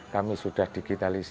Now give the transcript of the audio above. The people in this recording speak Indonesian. kami sudah digitalisasi